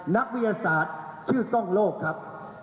นักวิทยาศาสตร์ชื่อกล้องโลกครับ